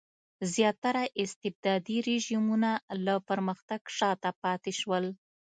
زیاتره استبدادي رژیمونه له پرمختګ شاته پاتې شول.